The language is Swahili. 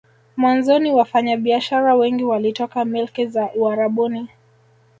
Mwanzoni wafanya biashara wengi walitoka milki za Uarabuni